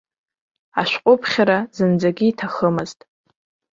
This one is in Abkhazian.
Ашәҟәыԥхьара зынӡагьы иҭахымзт.